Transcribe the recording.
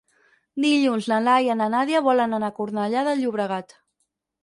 Dilluns na Laia i na Nàdia volen anar a Cornellà de Llobregat.